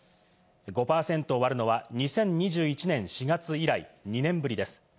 ５％を割るのは２０２１年４月以来２年ぶりです。